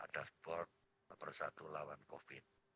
dashboard persatu lawan covid sembilan belas